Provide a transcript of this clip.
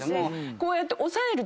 こうやって。